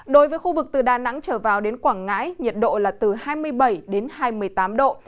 đối với khu vực từ đà nẵng trở vào đến quảng ngãi nhiệt độ là từ hai mươi bảy đến hai mươi tám độ